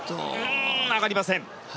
上がりません。